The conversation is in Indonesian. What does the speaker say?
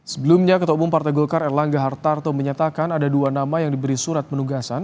sebelumnya ketua umum partai golkar erlangga hartarto menyatakan ada dua nama yang diberi surat penugasan